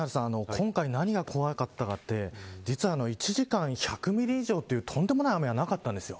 今回、何が怖かったかって実は１時間１００ミリ以上というとんでもない雨はなかったんです。